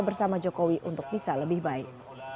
bersama jokowi untuk bisa lebih baik